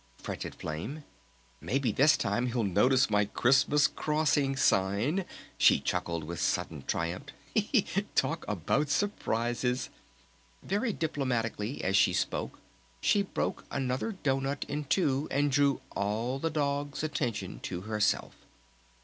fretted Flame. "Maybe this time he'll notice my 'Christmas Crossing' sign!" she chuckled with sudden triumph. "Talk about surprises!" Very diplomatically as she spoke she broke another doughnut in two and drew all the dogs' attention to herself.